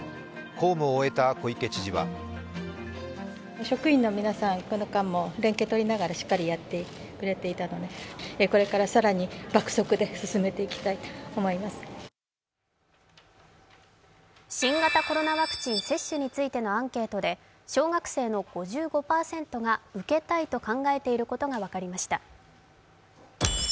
公務を終えた小池知事は新型コロナワクチン接種についてアンケートで小学生の５５％が受けたいと考えていることが分かりました。